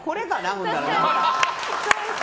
ほんなら。